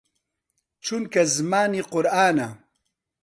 چونکە زمانی قورئانە